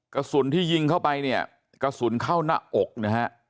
กระสุนที่ยิงเข้าไปเนี่ยกระสุนเข้าหน้าอกนะฮะ